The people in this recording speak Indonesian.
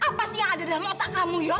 apa sih yang ada dalam otak kamu ya